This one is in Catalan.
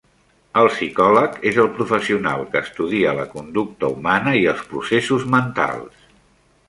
El psicòleg és el professional que estudia la conducta humana i els processos mentals